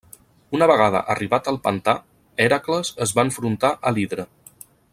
Una vegada arribat al pantà, Hèracles es va enfrontar a l'Hidra.